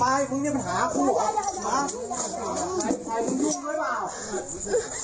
ไว้รุ่นชายมึงรู้ไหมเปล่า